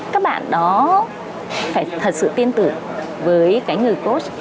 các bạn đó phải thật sự tiên tử với cái người coach